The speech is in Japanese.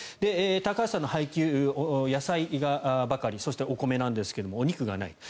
高橋さんの配給、野菜ばかりそしてお米なんですがお肉がない。